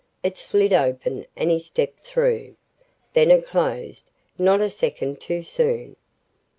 It slid open and he stepped through. Then it closed not a second too soon.